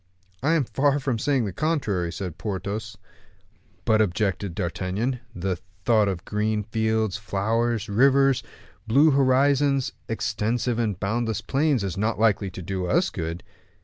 "I am far from saying the contrary," said Porthos. "But," objected D'Artagnan, "the thought of green fields, flowers, rivers, blue horizons, extensive and boundless plains, is not likely to do us good."